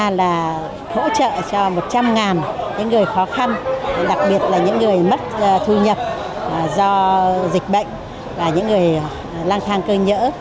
trung ương hội đã hỗ trợ cho một trăm linh người khó khăn đặc biệt là những người mất thu nhập do dịch bệnh và những người lang thang cơ nhỡ